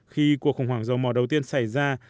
khi cuộc khủng hoảng dầu mò đầu tiên xảy ra